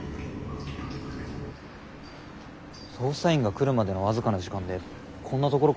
捜査員が来るまでの僅かな時間でこんなところから逃げられるのかな。